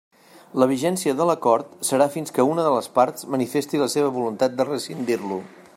La vigència de l'Acord serà fins que una de les parts manifesti la seva voluntat de rescindir-lo.